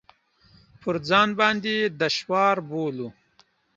پر ځان باندې دشوار بولو.